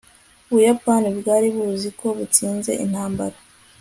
ubuyapani bwari buzi ko butsinze intambara